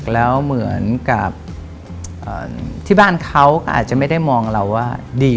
แล้วเหมือนกับที่บ้านเขาก็อาจจะไม่ได้มองเราว่าดี